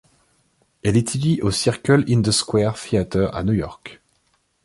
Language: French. Elle étudie au Circle in the Square Theatre à New York.